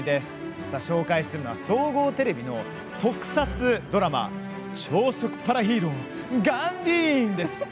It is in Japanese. ご紹介するのは総合テレビの特撮ドラマ「超速パラヒーローガンディーン」です。